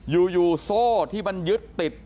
อยู่โซ่ที่มันยึดติด